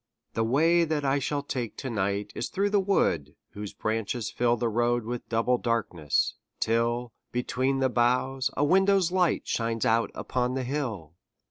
The way that I shall take to night Is through the wood whose branches fill The road with double darkness, till, Between the boughs, a window's light Shines out upon the hill.